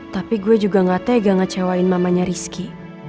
tapi gue juga gak tega ngecewain mamanya rizky